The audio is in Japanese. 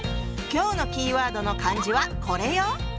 今日のキーワードの漢字はこれよ！